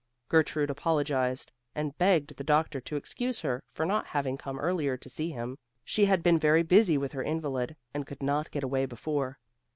Gertrude apologized, and begged the doctor to excuse her for not having come earlier to see him; she had been very busy with her invalid, and could not get away before.